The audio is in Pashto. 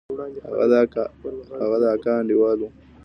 هغه د اکا انډيوال و.